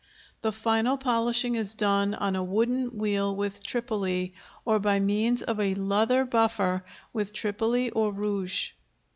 The final polishing is done on a wooden wheel with tripoli, or by means of a leather buffer with tripoli or rouge.